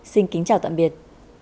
xin kính chào tạm biệt